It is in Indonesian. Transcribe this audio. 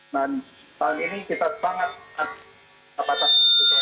tahun ini kita sangat terbatas